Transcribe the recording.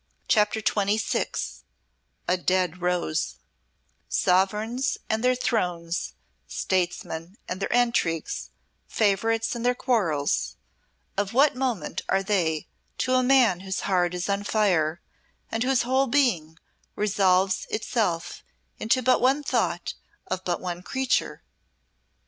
CHAPTER XXVI A Dead Rose Sovereigns and their thrones, statesmen and their intrigues, favourites and their quarrels of what moment are they to a man whose heart is on fire and whose whole being resolves itself into but one thought of but one creature?